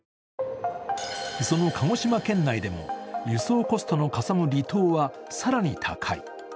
その鹿児島県内でも輸送コストのかさむ離島は更に高い。